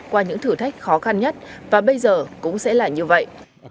qua những thử thách khó khăn nhất và bây giờ cũng sẽ là như vậy